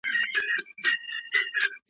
تا ته اوس هم شرابونه قمارونه .